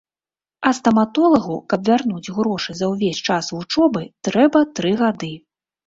А стаматолагу, каб вярнуць грошы за ўвесь час вучобы, трэба тры гады.